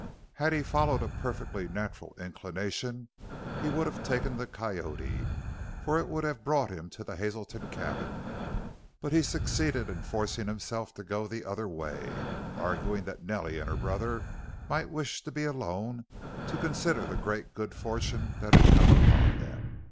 Had he followed a perfectly natural inclination he would have taken the Coyote, for it would have brought him to the Hazelton cabin. But he succeeded in forcing himself to go the other way, arguing that Nellie and her brother might wish to be alone to consider the great good fortune that had come upon them.